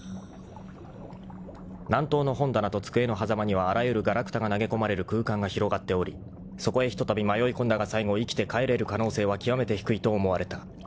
［南東の本棚と机のはざまにはあらゆるがらくたが投げ込まれる空間が広がっておりそこへひとたび迷い込んだが最後生きて帰れる可能性は極めて低いと思われた］